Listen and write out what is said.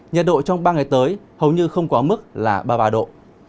nhiệt độ trong ba ngày tới hầu như không quá mức là ba mươi ba độ